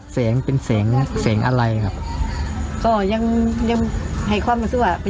แสงเป็นแสงแสงอะไรครับก็ยังยังให้ความรู้สึกว่าเป็น